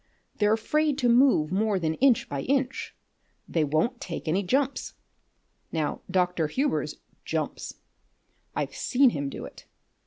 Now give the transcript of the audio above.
They're afraid to move more than inch by inch. They won't take any jumps. Now Dr. Hubers jumps; I've seen him do it.